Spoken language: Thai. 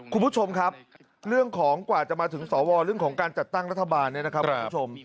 คุณผู้ชมครับเรื่องของกว่าจะมาถึงสวเรื่องของการจัดตั้งรัฐบาลเนี่ยนะครับคุณผู้ชม